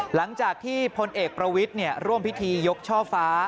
หลังจากที่พลเอกประวิทย์ร่วมพิธียกช่อฟ้า